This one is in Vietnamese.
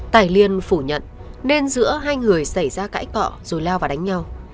tải liền phủ nhận nên giữa hai người xảy ra cãi cọ rồi leo vào đánh nhau